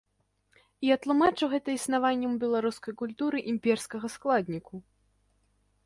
Я тлумачу гэта існаваннем у беларускай культуры імперскага складніку.